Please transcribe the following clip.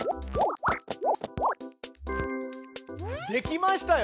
できましたよ。